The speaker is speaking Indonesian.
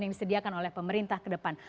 yang disediakan oleh pemerintah ke depan